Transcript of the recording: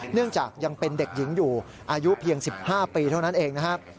เนื่องจากยังเป็นเด็กหญิงอยู่อายุเพียง๑๕ปีเท่านั้นเองนะครับ